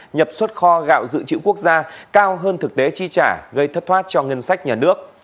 nhập xuất kho gạo dự trữ quốc gia cao hơn thực tế chi trả gây thất thoát cho ngân sách nhà nước